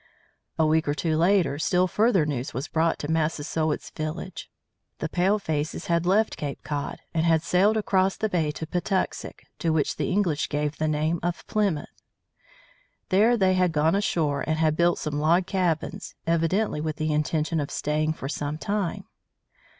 A week or two later still further news was brought to Massasoit's village. The palefaces had left Cape Cod and had sailed across the bay to Patuxet (to which the English gave the name of Plymouth). There they had gone ashore and had built some log cabins, evidently with the intention of staying for some time.